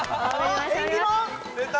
出た！